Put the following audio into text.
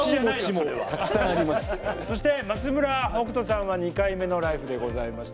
そして松村北斗さんは２回目の「ＬＩＦＥ！」でございましたが。